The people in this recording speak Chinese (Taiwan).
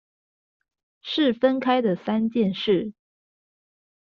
是分開的三件事